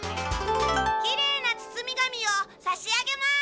きれいな包み紙をさしあげます。